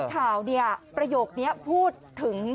ต่างหัวหน้าข่าวนี้ประโยคนี้พูดถึง